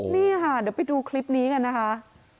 นี่ค่ะเดี๋ยวไปดูคลิปนี้กันนะคะ